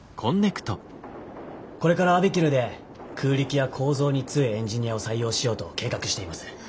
これからＡＢＩＫＩＬＵで空力や構造に強いエンジニアを採用しようと計画しています。